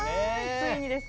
ついにですね。